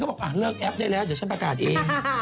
บอกเลิกแอปได้แล้วเดี๋ยวฉันประกาศเอง